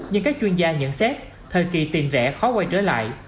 nhưng các chuyên gia nhận xét thời kỳ tiền rẻ khó quay trở lại